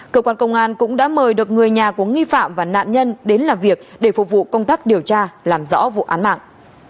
cơ quan công an cũng đã mời được người nhà của nghi phạm và nạn nhân đến làm việc để phục vụ công tác điều tra làm rõ vụ án mạng